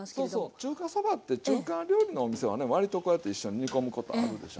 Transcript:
中華そばって中華料理のお店はね割とこうやって一緒に煮込むことあるでしょ。